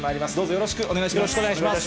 よろしくお願いします。